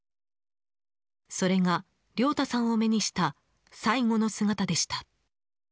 それが亮太さんを目にした最後の姿でした。